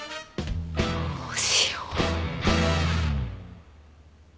どうしよう。